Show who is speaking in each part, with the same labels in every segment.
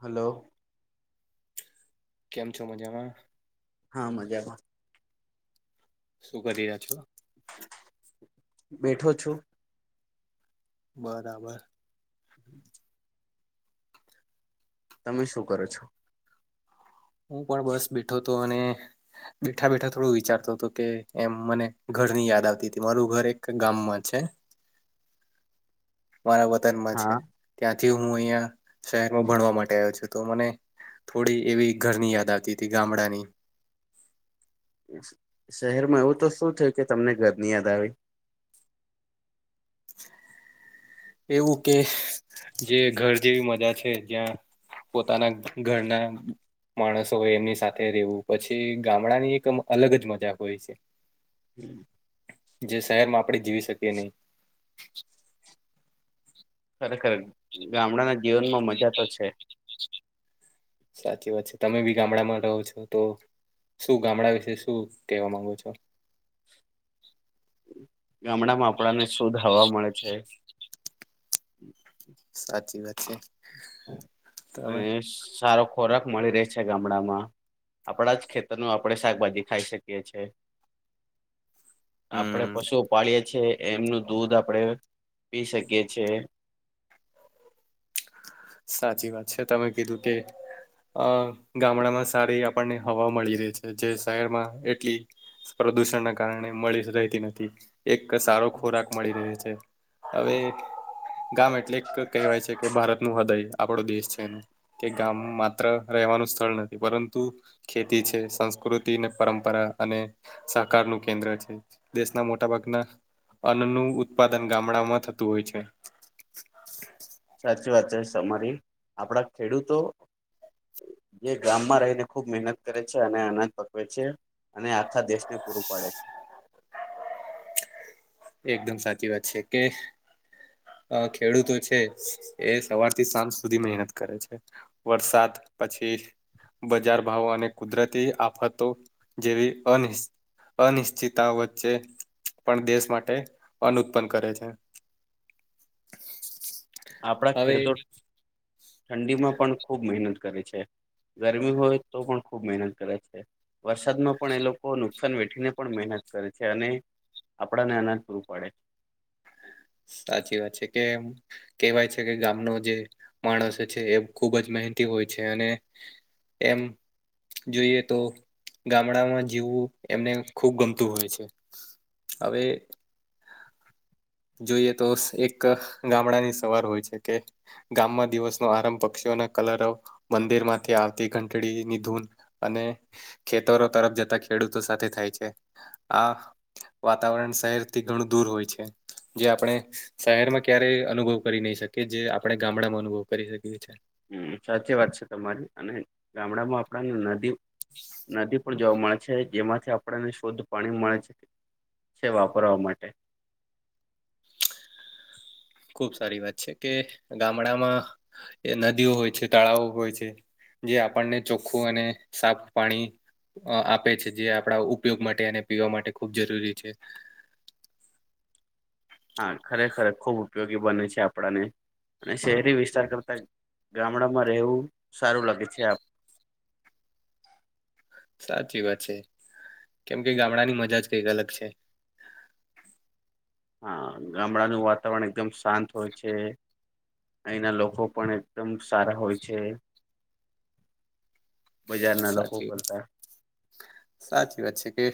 Speaker 1: Hello.
Speaker 2: કેમ છો મજામાં.
Speaker 1: હા મજામાં.
Speaker 2: શું કરીયા છો.
Speaker 1: બેઠો છું.
Speaker 2: બરાબર.
Speaker 1: [inaudible] તમે શું કરો છો?
Speaker 2: હું પણ બસ બેઠો હતો અને. બેઠા બેઠા થોડું વિચારતો હતો કે એમ મને ઘર ની યાદ આવતી હતી મારું ઘર એક ગામમાં છે.. મારા વતનમાં
Speaker 1: હા
Speaker 2: છે. ત્યાંથી હું અહિયાં શહેરમાં ભણવા માટે આવ્યો છું. તો મને. થોડી એવી ઘરની યાદ આવતી હતી ગામડાની.
Speaker 1: શહેરમાં એવું તો શું થયું કે તમને ઘરની યાદ આવે.
Speaker 2: એવું કે જે ઘર જેવી મજા છે. જ્યાં. પોતાના ઘરના. માણસો હોય એમની સાથે રહેેવું પછી ગામડા ની એક અલગ જ મજા હોય છે.
Speaker 1: હમ [inaudible]
Speaker 2: જે શહેર માં આપણે જીવી શકીએ નહીં.
Speaker 1: ખરેખર ગામડાના જીવન માં મજા તો છે.
Speaker 2: સાચી વાત છે. તમે બી ગામડામાં રહો છો. તો શું ગામડા વિશે શું કહેવા માંગો છો.
Speaker 1: ગામડા માં આપડા ને શુદ્ધ હવા મળે છે.
Speaker 2: સાચી વાત છે તમે
Speaker 1: સારો ખોરાક મળી રહે છે ગામડામાં. આપડા જ ખેતરનુ આપડે શાકભાજી ખાઈ શકીએ છે.
Speaker 2: [inaudible]
Speaker 1: આપડે પશુ પાળએ છે એમનું દૂધ આપડે પી શકીએ છે.
Speaker 2: સાચી વાત છે તમે કીધું કે. અ ગામડામાં સારી આપણને હવા મળી રહી છે જે શહેરમાં એટલી. પ્રદુષણ ના કારણે મળી જ રહેતી નથી. એક સારો ખોરાક મળી રહે છે હવે. ગામ એટલે ક કહેવાય છે કે ભારત નું હૃદય આપડો દેશ છેમ. કે ગામ માત્ર રહેવાનું સ્થળ નથી પરંતુ. ખેતી છે સંસ્કૃતિ ને પરંપરા અને. સાહકાર નું કેન્દ્ર છે દેશના મોટા ભાગના. અન્નનું ઉત્પાદન ગામડામાં થતું હોય છે.
Speaker 1: સાચી વાત છે સમારી આપડા ખેડૂતો. જે ગામમાં રહીને ખુબ મહેનત કરે છે અને આનંદ પકવે છે. અને આખા દેશને પૂરું પાડે છે.
Speaker 2: એકદમ સાચી વાત છે કે. અ ખેડૂતો છે એ સવાર થી સાંજ સુધી મહેનત કરે છે. વરસાથ પછી. બજાર ભાવ અને કુદરતી આફતો જેવી અનીસ અનિશ્ચતા વચ્ચે પણ દેશ માટે અન ઉત્પન્ન કરે છે.
Speaker 1: આપણા
Speaker 2: હવે
Speaker 1: ખેડૂતો ઠંડીમાં પણ ખૂબ મહેનત કરે છે, ગરમી હોય તો પણ ખૂબ મહેનત કરે છે. વરસાદમાં પણ એ લોકો નુકસાન વેઠીને પણ મહેનત કરે છે અને આપડા ને એનાજ પૂરું પાડે.
Speaker 2: સાચી વાત છે કેમ. કેહેવાય છે કે ગામનો જે માણસ છે એ ખુબ જ મહેનતિ હોય છે અને. એમ. જોઈએ તો ગામડામાં જીવવું એમને ખુબ ગમતું હોય છે. હવે જોઈએ તો એક ગામડા ની સવાર હોય છે કે ગામમાં દિવસનો આરંભ પક્ષીઓના કલરવ, મંદિર માંથી આવતી ઘંટડીની ધૂન અને ખેતરો તરફ જતા ખેડૂતો સાથે થાય છે. આ વાતાવરણ શહેરથી ઘણું દૂર હોય છે. જે આપણે શહેરમાં ક્યારેય અનુભવ કરી નહી શકીએ જે આપણે ગામડામાં અનુભવ કરી શકીએ છીએ.
Speaker 1: હમ્મ સાચી વાત છે તમારી અને ગામડામાં આપણાને નદી નદી પણ જોવા મળે છે જેમાંથી આપણને શુદ્ધ પાણી મળે છે વાપરવા માટે.
Speaker 2: ખુબ સારી વાત છે કે ગામડામાં નદીઓ હોય છે, તળાવો હોય છે જે આપણને ચોખ્ખું અને સાફ પાણી અ આપે છે જે આપણા ઉપયોગ માટે અને પીવા માટે ખૂબ જરૂરી છે.
Speaker 1: હા ખરેખર ખુબ ઉપયોગી બને છે આપડાને. અને શહેરી વિસ્તાર કરતા ગામડામાં રહેવું સારું લાગે છે આપ.
Speaker 2: સાચી વાત છે કેમ કે ગામડાની મજા જ કઈક અલગ છે.
Speaker 1: હા ગામડાનું વાતાવરણ એકદમ શાંત હોય છે. અહીંના લોકો પણ એકદમ સારા હોય છે.
Speaker 2: [inaudible]
Speaker 1: બજારના લોકો
Speaker 2: સાચી વાત,
Speaker 1: કરતા
Speaker 2: સાચી વાત છે કે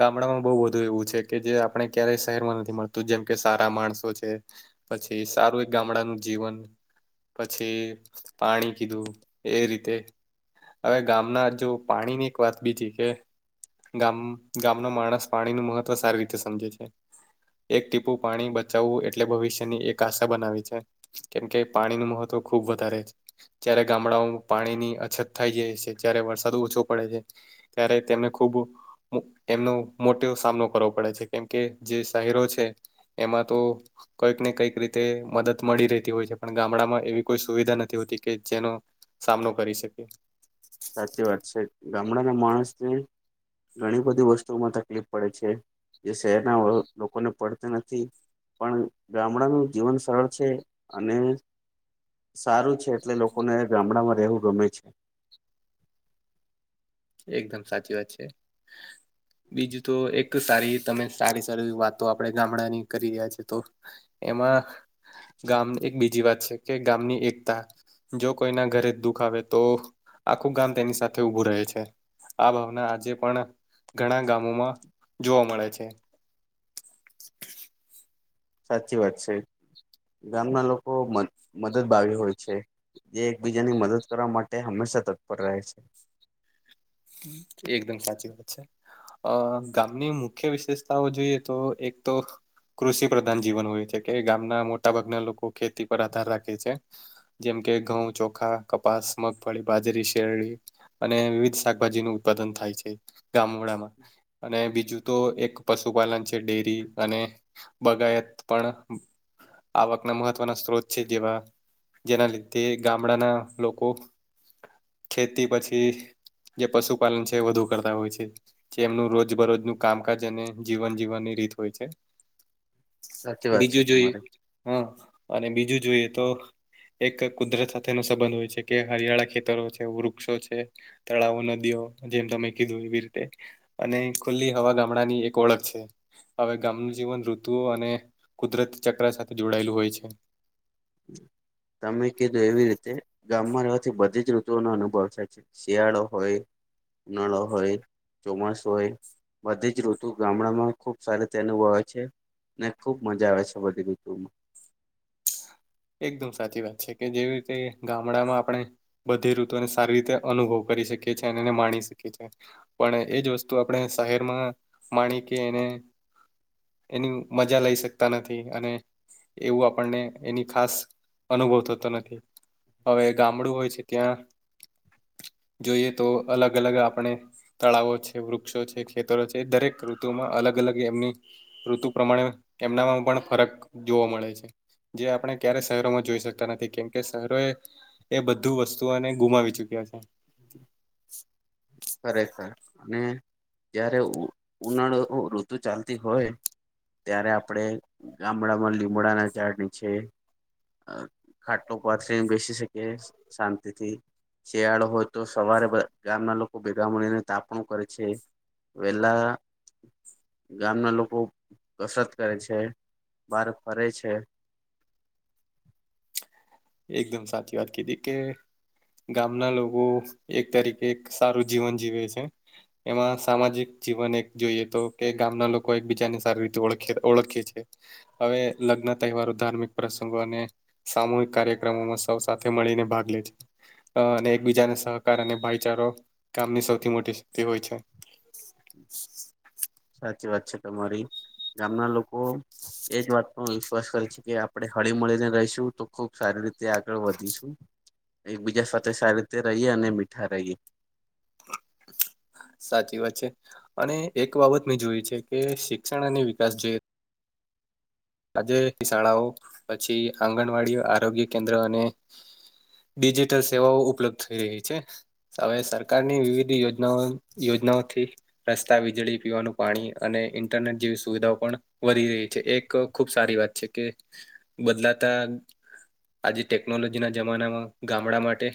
Speaker 2: ગામડાઓમ બહુ બધું એવું છે કે જે આપણે ક્યારેય શહેરમાં નથી મળતું, જેમ કે સારા માણસો છે પછી સારું એક ગામડાનું જીવન પછી પાણી કીધું એ રીતે હવે ગામના જો પાણી ની એક વાત બીજી કે ગામ ગામનો માણસ પાણી નું મહત્વ સારી રીતે સમજે છે. એક ટીપું પાણી બચાવવું એટલે ભવિષ્યની એક આશા બનાવી છે. કેમકે પાણી નું મહત્વ ખુબ વધારે છે. જ્યારે ગામડાઓમાં પાણીની અછત થાય જાય છે જ્યારે વરસાદ ઓછો પડે છે ત્યારે તેમને ખુબ એમનો મોટો એવો સામનો કરવો પડે છે કેમકે જે શહેરો છે એમાં તો કંઈક ને કંઈક રીતે મદદ મળી રહેતી હોય છે પણ ગામડામાં એવી કોઈ સુવિધા નથી હોતી કે જેનો સામનો કરી શકે.
Speaker 1: સાચી વાત છે ગામડાના માણસને ઘણી બધી વસ્તુઓમાં તકલીફ પડે છે જે શહેરના અ લોકોને પડતી નથી. પણ ગામડાનું જીવન સરળ છે અને સારું છે એટલે લોકોને ગામડામાં રહેવું ગમે છે.
Speaker 2: એકદમ સાચી વાત છે. બીજું તો એક સારી તમે સારી સારી વાતો આપડણે ગામડાની કરી રહ્યા છે તો એમાં ગામ એક બીજી વાત છે કે ગામની એકતા જો કોઈના ઘરે દુઃખ આવે તો આખું ગામ તેની સાથે ઊભું રહે છે. આ ભાવના આજે પણ ઘણા ગામોમાં જોવા મળે છે.
Speaker 1: સાચી વાત છે ગામના લોકો મદદ બાવી હોય છે. જે એકબીજાની મદદ કરવા માટે હંમેશા તત્પર રહે છે.
Speaker 2: એકદમ સાચી વાત છે. અ ગામની મુખ્ય વિશેષતાઓ જોઈએ તો એક તો. કૃષિ પ્રધાન જીવન હોય છે કે ગામના મોટા ભાગના લોકો ખેતી પર આધાર રાખે છે. જેમ કે ઘઉં ચોખા કપાસ મગફળી બાજરી શેરડી અને વિવિધ શાક ભાજી નું ઉત્પાદન થાય છે ગામોડામાં. અને બીજું તો એક પશુપાલન છે ડેરી અને બગાયત પણ આવકના મહત્વના સ્ત્રોત છે. જેવા જેના લીધે ગામડાના લોકો ખેતી પછી જે પશુપાલન છે વધુ કરતા હોય છે. જેમનું રોજ બરોજનું કામકાજ અને જીવન જીવાની રીત હોય છે.
Speaker 1: સાચી વાત છે
Speaker 2: બીજું જોઈએ
Speaker 1: તમારી
Speaker 2: હા અને બીજું જોઈએ તો. એક કુદરત સાથેનો સંબંધ હોય છે કે હરિયાળા ખેતરો છે વૃક્ષો છે. તળાવો નદીઓ જેમ તમે કીધું એવી રીતે. અને ખુલ્લી હવા ગામડા ની એક ઓળખ છે. હવે ગામનું જીવન ઋતુઓ અને કુદરતી ચક્ર સાથે જોડાયેલું હોય છે.
Speaker 1: તમે કીધું એવી રીતે ગામમાં રેવાથી બધી જ ઋતુઓનો અનુભવ થાય છે શિયાળો હોય, ઉનાળો હોય, ચોમાસ હોય. બધી જ ઋતુ ગામડામાં ખુબ સારી તે અનુભવે છે. ને ખુબ મજા આવે છે બધી ઋતુમાં.
Speaker 2: એકદમ સાચી વાત છે કે જેવી રીતે ગામડામાં આપણે. બધી ઋતુને સારી રીતે અનુભવ કરી શકીએ છીએ અને એને માણી શકીએ છે. પણ એજ વસ્તુ આપણે શહેરમાં માણી કે એને એની મજા લઈ શકતા નથી અને એવું આપણને એની. ખાસ અનુભવ થતો નથી હવે ગામડું હોય છે ત્યાં. જોઈએ તો અલગ અલગ આપણે. તળાવો છે વૃક્ષો છે ખેતરો છે દરેક ઋતુમાં અલગ અલગ એમની. ઋતુ પ્રમાણે એમનામાં પણ ફરક જોવા મળે છે જે આપણે ક્યારે શહેરોમાં જોઈ શકતા નથી કેમકે શહેરો એ બધું વસ્તુઓને ગુમાવી ચુક્યા છે
Speaker 1: ખરેખર અને જયારે ઉનાળો ઋતુ ચાલતી હોય ત્યારે આપણેે ગામડામાં લીમડાના ઝાડ નીચે ખાટલો પાથરીને બેસી શકે શાંતિથી શિયાળો હોય તો સવારે ગામના લોકો ભેગા મળીને તાપણું કરે છે વેલા ગામના લોકો કસરત કરે છે બહાર ફરે છે
Speaker 2: એકદમ સાચી વાત કીધી કે ગામના લોકો એક તરીકે સારું જીવન જીવે છે એમાં સામાજિક જીવન એક જોઈએ તો કે ગામના લોકો એકબીજાને સારી રીતે ઓખ ઓળખે છે હવે લગ્ન તહેવારો ધાર્મિક પ્રસંગો અને સામૂહિક કાર્ય કાર્યક્રમોમાં સૌ સાથે મળીને ભાગ લે છે અ અને એકબીજાને સહકાર અને ભાઈચારો કામની સૌથી મોટી શક્તિ હોય છે
Speaker 1: સાચી વાત છે તમારી ગામના લોકો એ જ વાત પર વિશ્વાસ કરે છે કે આપણે હળી મળીને રહીશું તો ખુબ સારી રીતે આગળ વધીશું એકબીજા સાથે સારી રીતે રહીએ અને મીઠા રહીએ
Speaker 2: સાચી વાત છે અને એક બાબત મેં જોઈ છે કે શિક્ષણ અને વિકાસ જે આજે શાળાઓ પછી આંગણવાડી આરોગ્ય કેન્દ્ર અને ડિજિટલ સેવાઓ ઉપલબ્ધ થઈ રહી છે હવે સરકારની વિવિધ યોજનાઓ યોજનાઓથી રસ્તા વીજળી પીવાનું પાણી અને ઇન્ટરનેટ જેવી સુવિધાઓ પણ વધી રહી છે એક ખુબ સારી વાત છે કે બદલાતા આજે ટેકનોલોજીના જમાનામાં ગામડા માટે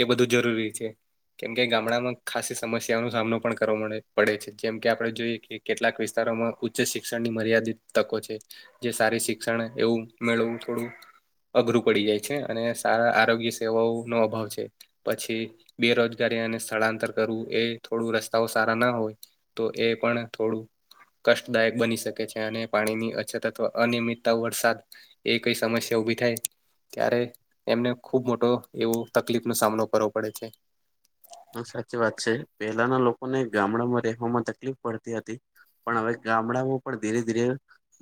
Speaker 2: એ બધું જરૂરી છે કેમ કે ગામડામાં ખાસી સમસ્યાઓ નો સામનો પણ કરવાે પડે છે જેમ કે આપણે જોઈએ કે કેટલાક વિસ્તારોમાં ઉચ્ચ શિક્ષણની મર્યાદિત તકો છે. જે સારી શિક્ષણ એવું મેળવવું થોડું અઘરું પડી જાય છે અને સારા આરોગ્ય સેવાઓ નો અભાવ છે. પછી બેરોજગારી અને સ્થળાંતર કરવું એ થોડું રસ્તાઓ સારા ના હોય તો એ પણ થોડું કષ્ટદાયક બની શકે છે અને પાણીની અછત અનિમિતતા વરસાદ એ કઈ સમસ્યા ઉભી થાય ત્યારે એમને ખુબ મોટો એવો તકલીફ નો સામનો કરવો પડે છે
Speaker 1: હા સાચી વાત છે પેલાના લોકોને ગામડામાં રહેવાવામાં તકલીફ પડતી હતી પણ હવે ગામડાઓ પણ ધીરે ધીરે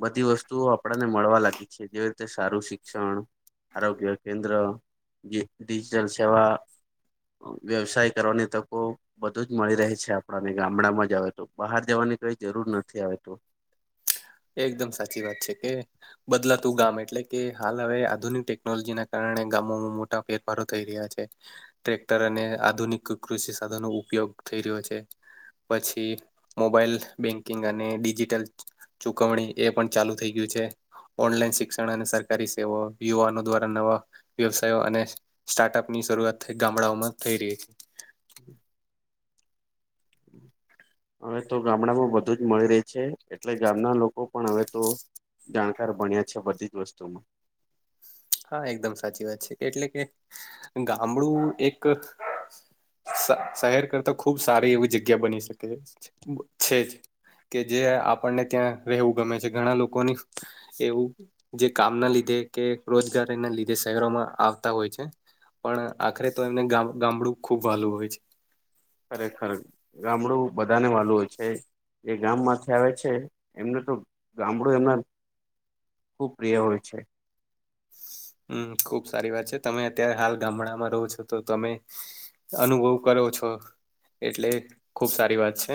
Speaker 1: બધી વસ્તુઓ આપણને મળવા લાગી છે જેવી રીતે સારું શિક્ષણ આરોગ્ય કેન્દ્ર ડિજિટલ સેવા વ્યવસાયિક કરવાની તકો બધું જ મળી રહે છે આપણાને ગામડામાં જ આવે તો બહાર જવાની કઈ જરૂર નથી હવે તો
Speaker 2: એકદમ સાચી વાત છે કે બદલાતું ગામ એટલે કે હાલ હવે આધુનિક ટેકનોલોજી ના કારણે ગામોમાં મોટા ફેર ફારો થઈ રહ્યા છે ટ્રેક્ટર અને આધુનિક કૃષિ સાધનો નો ઉપયોગ થઈ રહ્યો છે. પછી મોબાઈલ બેંકિંગ અને ડિજિટલ ચુકવણી એ પણ ચાલુ થઈ ગયું છે. ઓનલાઈન શિક્ષણ અને સરકારી સેવા યુવાનો દ્વારા નવા વ્યવસાયો અને સ્ટાર્ટઅપ ની શરૂઆત થઈ ગામડાઓમાં થઈ રહી
Speaker 1: હમ્મ.
Speaker 2: [inaudible]
Speaker 1: હવે તો ગામડામાં બધુ જ મળી રહે છે એટલે ગામના લોકો પણ હવે તો જાણકાર ભણ્યા છે બધી જ વસ્તુમાં
Speaker 2: હા એકદમ સાચી વાત છે એટલે કે ગામડું એક શહેર કરતા ખૂબ સારી એવી જગ્યા બની શકે છે જ કે જે આપણને ત્યાં રહેવું ગમે છે ઘણા લોકોની એવું જે કામ ના લીધે કે રોજગારી ના લીધે શહેરોમાં આવતા હોય છે. પણ આખરે તો એમને ગામ ગામડું ખુબ વાલું હોય છે.
Speaker 1: ખરેખર ગામડું બધાને વાલું હોય છે. એ ગામમાંથી આવે છે એમને તો ગામડું એમના ખુબ પ્રિય હોય છે.
Speaker 2: હમ્મ ખુબ સારી વાત છે તમે અત્યારે હાલ ગામડામાં રહો છો તો તમે અનુભવ કરો છો એટલે ખુબ સારી વાત છે.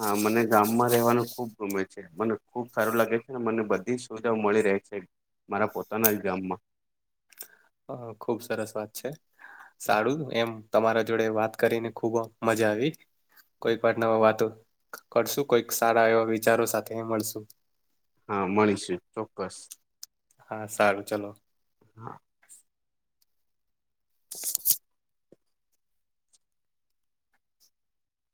Speaker 1: હા મને ગામમાં રહેવાનું ખુબ ગમે છે મને ખુબ સારું લાગે છે ને મને બધી સુવિધાઓ મળી રહે છે. મારા પોતાના જ ગામમાં
Speaker 2: હ ખુબ સરસ વાત છે સારું એમ તમારા જોડે વાત કરીને ખુબ મજા આવી કોઈક વાર નવા વાતો કરશું કોઈક સારા એવા વિચારો સાથે એ મળશું.
Speaker 1: હા મળીશું ચોક્કસ.
Speaker 2: હા સારું ચલો.
Speaker 1: હા.